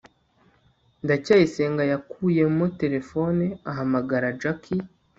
ndacyayisenga yakuyemo terefone ahamagara jaki